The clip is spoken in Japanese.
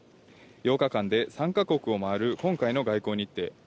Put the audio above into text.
８日間で３ヶ国をまわる今回の外交日程。